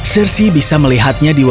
cersei bisa melihatnya di rumah